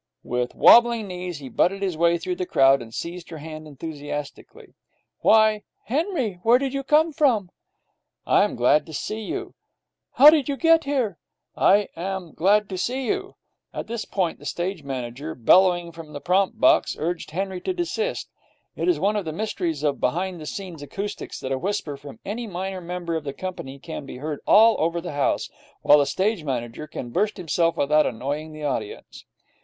With wabbling knees he butted his way through the crowd and seized her hand enthusiastically. 'Why, Henry! Where did you come from?' 'I am glad to see you!' 'How did you get here?' 'I am glad to see you!' At this point the stage manager, bellowing from the prompt box, urged Henry to desist. It is one of the mysteries of behind the scenes acoustics that a whisper from any minor member of the company can be heard all over the house, while the stage manager can burst himself without annoying the audience.